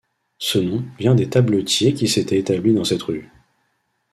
Ce nom vient des tablettiers qui s'étaient établis dans cette rue.